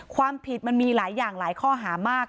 ความผิดมันมีหลายอย่างหลายข้อหามาก